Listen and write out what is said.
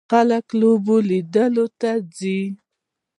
خلک د لوبو لیدلو ته ځي.